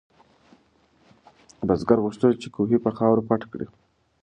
بزګر غوښتل چې کوهی په خاورو پټ کړي.